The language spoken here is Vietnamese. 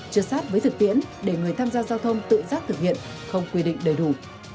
chưa sát với thực tiễn để người tham gia giao thông tự giác thực hiện không quy định đầy đủ